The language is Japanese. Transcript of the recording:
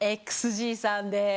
ＸＧさんです。